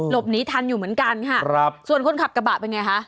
หลบหนีทันอยู่เหมือนกันค่ะส่วนคนขับกระบะเป็นอย่างไรคะ